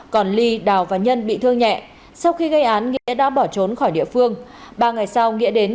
còn ly đào và nhân bị thương nhẹ